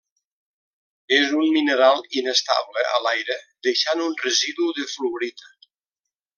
És un mineral inestable a l'aire, deixant un residu de fluorita.